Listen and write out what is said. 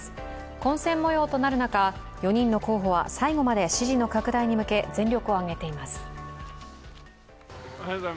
混戦模様となる中、４人の候補は最後まで支持の拡大に向け全力を挙げています。